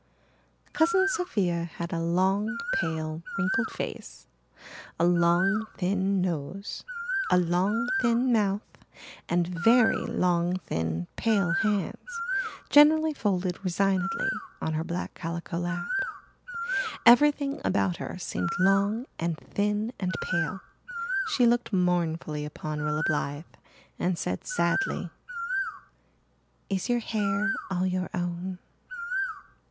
Cousin Sophia had a long, pale, wrinkled face, a long, thin nose, a long, thin mouth, and very long, thin, pale hands, generally folded resignedly on her black calico lap. Everything about her seemed long and thin and pale. She looked mournfully upon Rilla Blythe and said sadly, "Is your hair all your own?"